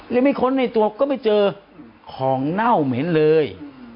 และไม่ค้นในตัวก็ไม่เจอของเน่าเหม็นเลย